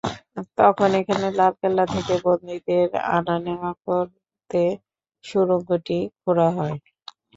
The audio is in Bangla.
তখন এখানে লাল কেল্লা থেকে বন্দীদের আনা-নেওয়া করতে সুড়ঙ্গটি খোঁড়া হয়।